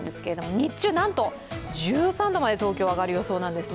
日中なんと、１３度まで東京は上がる予想なんですね。